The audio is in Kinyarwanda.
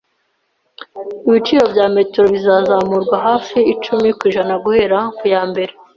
Ibiciro bya metero bizazamurwa hafi icumi ku ijana guhera ku ya mbere